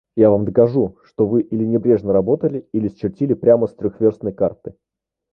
Я вам докажу, что вы или небрежно работали, или счертили прямо с трехвёрстной карты.